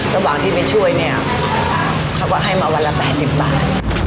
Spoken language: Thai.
ระหว่างที่ไปช่วยเนี่ยเขาก็ให้มาวันละ๘๐บาท